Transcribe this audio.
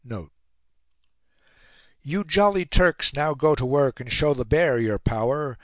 (*) (*)"You Jolly Turks, now go to work, And show the Bear your power.